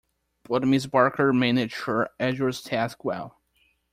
But Miss Barker managed her arduous task well.